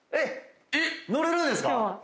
えっ乗れるんですか？